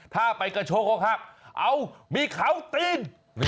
ถ้าไปกระโชว์โครครับเอ้ามีเขาตีน